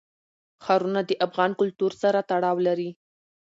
ښارونه د افغان کلتور سره تړاو لري.